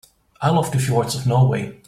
I love the fjords of Norway.